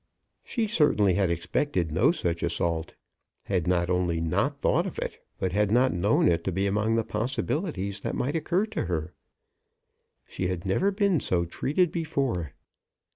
She certainly had expected no such assault, had not only not thought of it, but had not known it to be among the possibilities that might occur to her. She had never been so treated before.